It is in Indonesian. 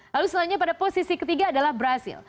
lalu selanjutnya pada posisi ketiga adalah brazil